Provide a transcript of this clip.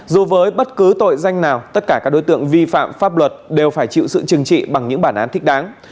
dù với bất cứ tội danh nào tất cả các đối tượng vi phạm pháp luật đều phải chịu sự chừng trị bằng những bản án thích đáng